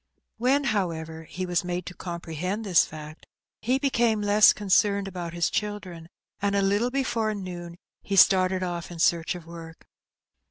When, however, he was made to comprehend this fact, h& became less concerned about his children, and a little before "Oh, Death! What Dost Thou Mean?" 47 noon he started off in search of work.